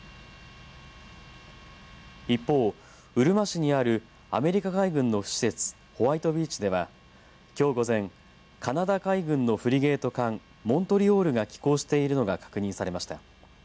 一方、うるま市にあるアメリカ海軍の施設ホワイトビーチではきょう午前カナダ海軍のフリゲート艦モントリオールが寄港しているのが確認されました。